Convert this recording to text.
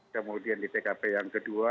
kemudian di tkp yang kedua